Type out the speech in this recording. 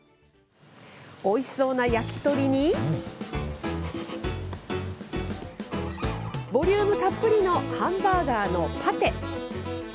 おいしそうな焼き鳥に、ボリュームたっぷりのハンバーガーのパテ。